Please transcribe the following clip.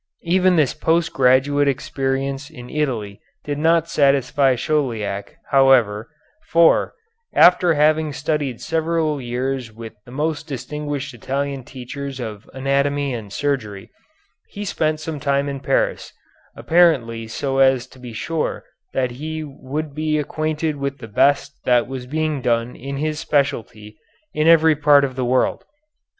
Even this post graduate experience in Italy did not satisfy Chauliac, however, for, after having studied several years with the most distinguished Italian teachers of anatomy and surgery, he spent some time in Paris, apparently so as to be sure that he would be acquainted with the best that was being done in his specialty in every part of the world.